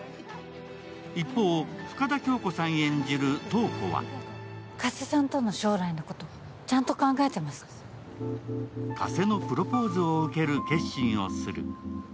一方、深田恭子さん演じる瞳子は加瀬のプロポーズを受ける決心をする。